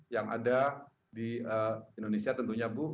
yang ada di indonesia tentunya bu